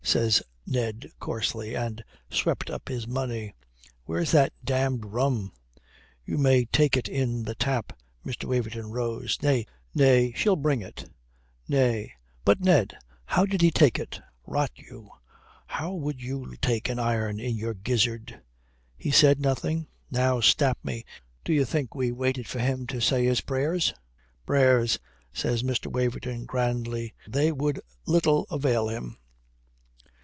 says Ned coarsely, and swept up his money. "Where's that damned rum?" "You may take it in the tap." Mr. Waverton rose. "Nay, she'll bring it. Nay, but, Ned how did he take it?" "Rot you, how would you take an iron in your gizzard?" "He said nothing?" "Now, stap me, do you think we waited for him to say his prayers?" "Prayers!" says Mr. Waverton grandly, "They would little avail him."